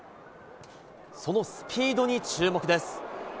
そのスピードに注目です。